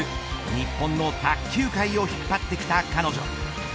日本の卓球界を引っ張ってきた彼女。